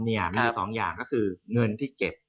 มีสองอย่างก็คือเงินที่เก็บ